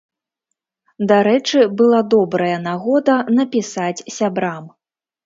Дарэчы, была добрая нагода напісаць сябрам.